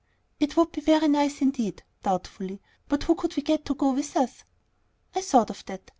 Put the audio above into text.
"It would be very nice indeed," doubtfully; "but who could we get to go with us?" "I thought of that.